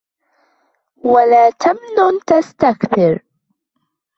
وَلا تَمْنُن تَسْتَكْثِرُ